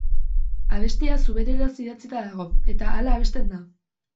Abestia zubereraz idatzita dago eta hala abesten da.